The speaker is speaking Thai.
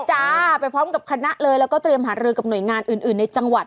จ้าไปพร้อมกับคณะเลยแล้วก็เตรียมหารือกับหน่วยงานอื่นในจังหวัด